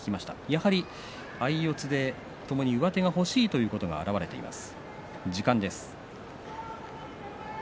やはり相四つでともに上手が欲しいということが表れています。